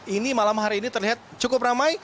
ini malam hari ini terlihat cukup ramai